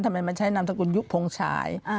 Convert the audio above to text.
ทำไมไม่ใช่นามสกุลยุคพงศัย